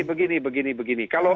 begini begini begini